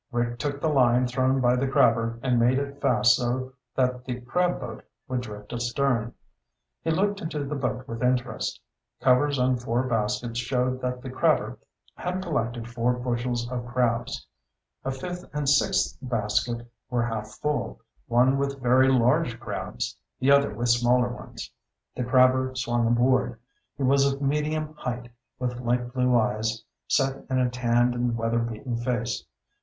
Rick took the line thrown by the crabber and made it fast so that the crab boat would drift astern. He looked into the boat with interest. Covers on four baskets showed that the crabber had collected four bushels of crabs. A fifth and sixth basket were half full, one with very large crabs, the other with smaller ones. The crabber swung aboard. He was of medium height, with light blue eyes set in a tanned and weather beaten face.